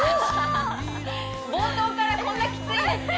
冒頭からこんなきついんですね